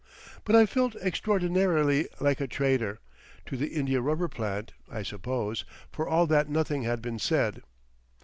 But I felt extraordinarily like a traitor—to the India rubber plant, I suppose—for all that nothing had been said...